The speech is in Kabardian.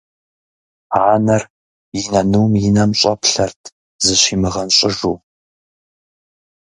Анэр и нанум и нэм щӀэплъэрт, зыщимыгъэнщӀыжу.